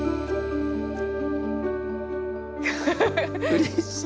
うれしい。